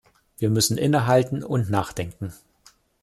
Wir müssen innehalten und nachdenken.